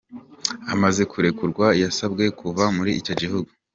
Amaze kurekurwa, yasabwe kuva muri ico gihugu.